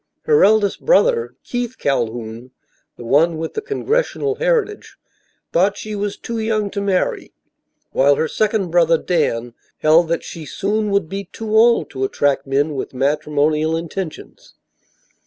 Her eldest brother Keith Calhoun (the one with the congressional heritage) thought she was too young to marry, while her second brother, Dan, held that she soon would be too old to attract men with matrimonial intentions.